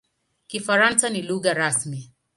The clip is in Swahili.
Kifaransa ni lugha rasmi.